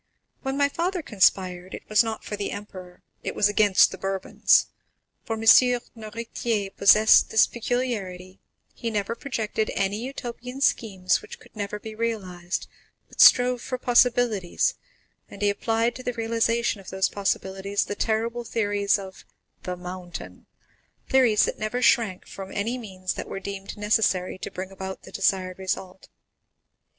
When my father conspired, it was not for the emperor, it was against the Bourbons; for M. Noirtier possessed this peculiarity, he never projected any Utopian schemes which could never be realized, but strove for possibilities, and he applied to the realization of these possibilities the terrible theories of The Mountain,—theories that never shrank from any means that were deemed necessary to bring about the desired result."